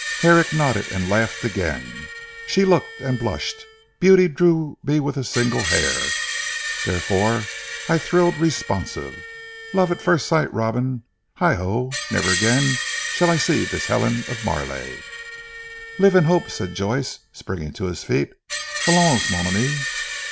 Herrick nodded and laughed again. "She looked and blushed. Beauty drew me with a single hair, therefore I thrilled responsive. Love at first sight Robin. Heigh ho! never again shall I see this Helen of Marleigh." "Live in hope," said Joyce, springing to his feet. "Allons, mon ami."